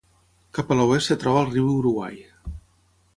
Cap a l'oest es troba el riu Uruguai.